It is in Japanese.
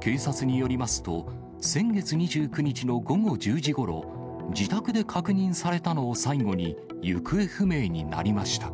警察によりますと、先月２９日の午後１０時ごろ、自宅で確認されたのを最後に、行方不明になりました。